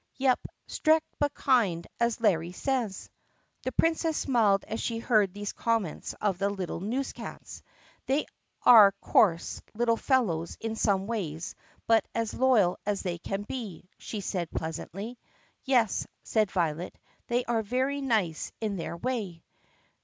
"Yop, strict but kind, as Larry says." The Princess smiled as she heard these comments of the little newscats. "They are coarse little fellows in some ways but as loyal as they can be," she said pleasantly. "Yes," said Violet, "they are very nice in their way."